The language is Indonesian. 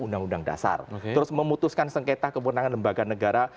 undang undang dasar terus memutuskan sengketa kewenangan lembaga negara